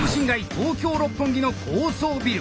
東京・六本木の高層ビル。